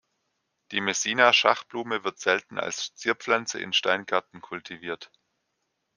Die Messina-Schachblume wird selten als Zierpflanze in Steingärten kultiviert.